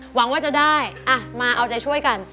หวังว่าจะได้มาเอาใจช่วยกัน